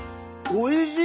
おいしい？